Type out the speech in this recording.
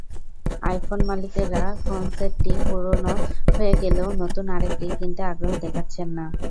IPhone মালিকেরা ফোনসেটটি পুরোনো হয়ে গেলেও নতুন আরেকটি কিনতে আগ্রহ দেখাচ্ছেন না।